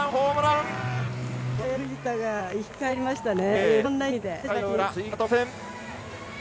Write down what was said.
これで藤田が生き返りましたね